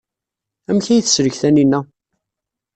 Amek ay teslek Taninna?